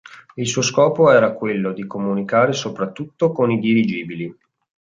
Il suo scopo era quello di comunicare soprattutto con i dirigibili.